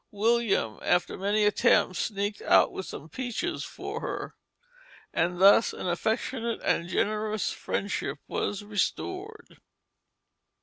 William, after many attempts, sneaked out with some peaches for her, and thus an affectionate and generous friendship was restored.